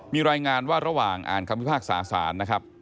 มีรายงานว่าระหว่างอ่านคำพิพากษาสารนะครับ